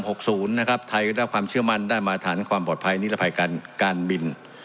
หกศูนย์นะครับไทยก็ได้ความเชื่อมั่นได้มาฐานความปลอดภัยนิรภัยการการบิน